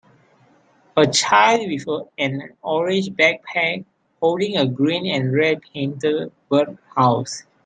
A child with an orange backpack holding a green and red painted bird house.